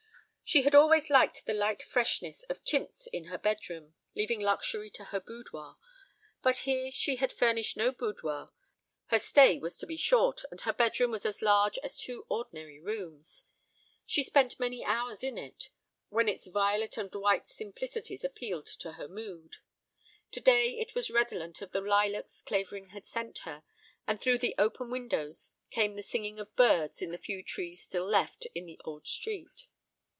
She had always liked the light freshness of chintz in her bedroom, leaving luxury to her boudoir; but here she had furnished no boudoir; her stay was to be short, and her bedroom was as large as two ordinary rooms. She spent many hours in it, when its violet and white simplicities appealed to her mood. Today it was redolent of the lilacs Clavering had sent her, and through the open windows came the singing of birds in the few trees still left in the old street.